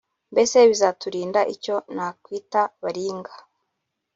mbese bizaturinda icyo nakwita baringa